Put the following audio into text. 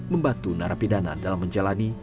membantu narapidana dalam menjalani